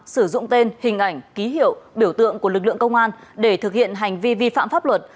sử dụng tên hình ảnh ký hiệu biểu tượng của lực lượng công an để thực hiện hành vi vi phạm pháp luật